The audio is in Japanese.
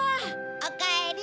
おかえり。